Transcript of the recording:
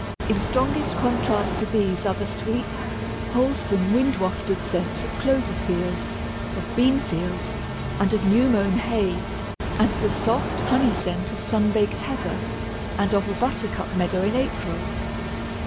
In strongest contrast to these are the sweet, wholesome, wind wafted scents of clover field, of bean field, and of new mown hay, and the soft honey scent of sun baked heather, and of a buttercup meadow in April.